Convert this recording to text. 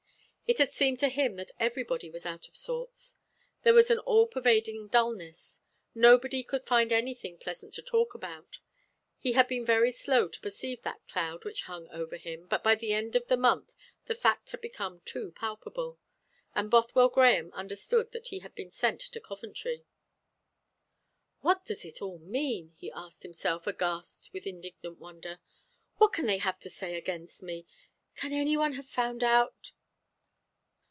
It had seemed to him that everybody was out of sorts. There was an all pervading dulness. Nobody could find anything pleasant to talk about. He had been very slow to perceive that cloud which hung over him: but by the end of the month the fact had become too palpable, and Bothwell Grahame understood that he had been sent to Coventry. "What does it all mean?" he asked himself, aghast with indignant wonder. "What can they have to say against me? Can any one have found out